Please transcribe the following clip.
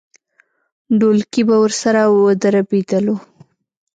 ډولکی به ورسره ودربېدلو.